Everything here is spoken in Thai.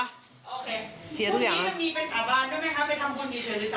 พี่ตอนนี้ก็มีไปสระบานได้ไหมคะไปทำคนหนีเกินสระบาน